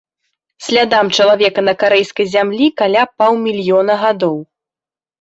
Слядам чалавека на карэйскай зямлі каля паўмільёна гадоў.